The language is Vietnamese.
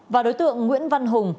và đối tượng nguyễn văn hùng